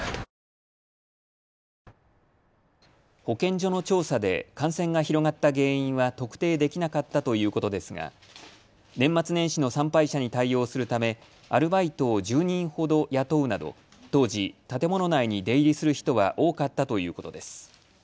保健所の調査で感染が広がった原因は特定できなかったということですが年末年始の参拝者に対応するためアルバイトを１０人ほど雇うなど当時、建物内に出入りする人は多かったということです。